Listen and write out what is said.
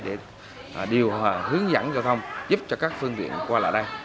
để điều hòa hướng dẫn giao thông giúp cho các phương viện qua lại đây